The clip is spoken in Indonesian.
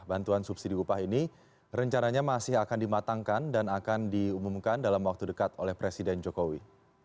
bantuan subsidi upah ini rencananya masih akan dimatangkan dan akan diumumkan dalam waktu dekat oleh presiden jokowi